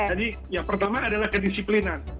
jadi yang pertama adalah kedisiplinan